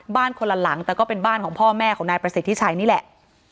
คนละหลังแต่ก็เป็นบ้านของพ่อแม่ของนายประสิทธิชัยนี่แหละ